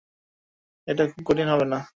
এটা খুব কঠিন হবে না।